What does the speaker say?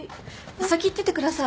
先行っててください。